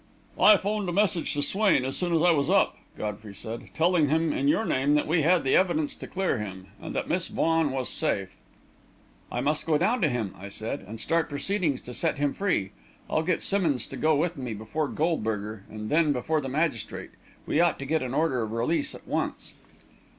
"I 'phoned a message to Swain, as soon as I was up," Godfrey said, "telling him, in your name, that we had the evidence to clear him, and that Miss Vaughan was safe." "I must go down to him," I said, "and start proceedings to set him free. I'll get Simmonds to go with me before Goldberger, and then before the magistrate. We ought to get an order of release at once."